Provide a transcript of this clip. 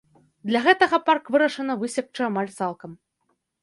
Для гэтага парк вырашана высекчы амаль цалкам.